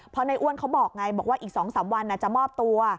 เพราะในอ้วนเขาบอกไงบอกว่าอีก๒๓วันจะมอบตัว